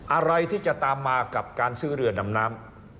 อะไรที่จะตามมากับการซื้อเรือดำน้ำ